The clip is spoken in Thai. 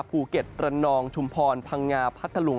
ภูเก็ตตระนองชุมพรพังงาพักทะลุง